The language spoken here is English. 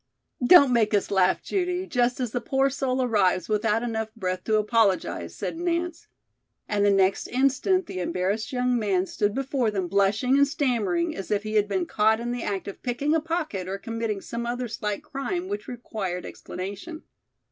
"Don't make us laugh, Judy, just as the poor soul arrives without enough breath to apologize," said Nance, and the next instant the embarrassed young man stood before them blushing and stammering as if he had been caught in the act of picking a pocket or committing some other slight crime which required explanation.